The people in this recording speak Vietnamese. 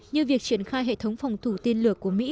như việc triển khai hệ thống phòng thủ tên lửa của mỹ